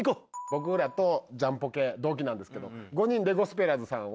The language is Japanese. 僕らとジャンポケ同期なんですけど。